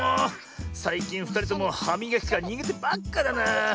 さいきんふたりともはみがきからにげてばっかだなあ。